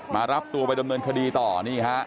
มารับตัวไปดำเนินคดีต่อนี่ฮะ